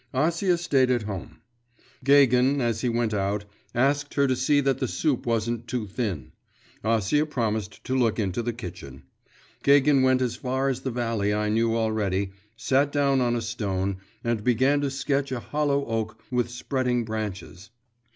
Acia stayed at home. Gagin, as he went out, asked her to see that the soup wasn't too thin; Acia promised to look into the kitchen. Gagin went as far as the valley I knew already, sat down on a stone, and began to sketch a hollow oak with spreading branches.